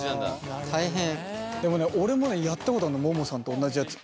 でもね俺もねやったことあんのももさんと同じやつ。